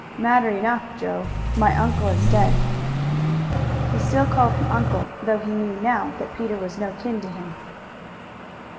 "Matter enough, Joe. My uncle is dead." He still called him uncle, though he knew now that Peter was no kin to him.